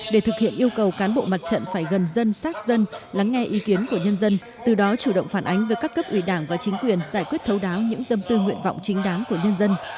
để thực hiện yêu cầu cán bộ mặt trận phải gần dân sát dân lắng nghe ý kiến của nhân dân từ đó chủ động phản ánh với các cấp ủy đảng và chính quyền giải quyết thấu đáo những tâm tư nguyện vọng chính đáng của nhân dân